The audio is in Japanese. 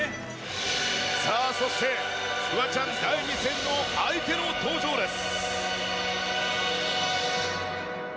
さあ、そして、フワちゃん第２戦の相手の登場です。